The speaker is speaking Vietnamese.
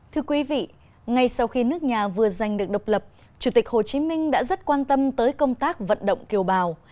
thưa quý vị ngay sau khi nước nhà vừa giành được độc lập chủ tịch hồ chí minh đã rất quan tâm tới công tác vận động kiều bào